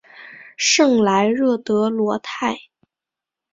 圣莱热德罗泰。